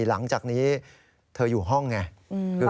หลังจากนี้เธออยู่ห้องไง